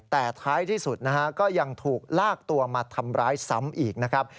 แต่ท้ายที่สุดนะฮะก็ยังถูกลากตัวมาทำร้ายซ้ำอีกนะครับ